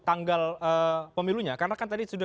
tanggal pemilunya karena kan tadi sudah